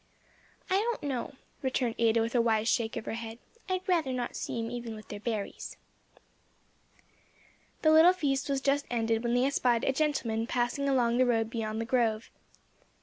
"I don't know," returned Ada with a wise shake of her head, "I'd rather not see 'em even with their berries." The little feast was just ended when they espied a gentleman passing along the road beyond the grove.